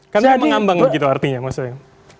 karena mengambang gitu artinya maksudnya